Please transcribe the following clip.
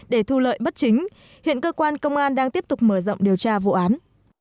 để thu lợi bất chính hiện cơ quan công an đang tiếp tục mở rộng điều tra vụ án